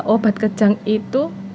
obat kejang itu